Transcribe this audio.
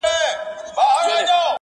• انډیوالۍ کي چا حساب کړی دی ..